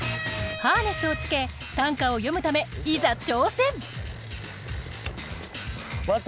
ハーネスを着け短歌を詠むためいざ挑戦。